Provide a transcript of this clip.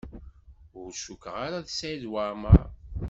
Ur cukkeɣ ara d Saɛid Waɛmaṛ.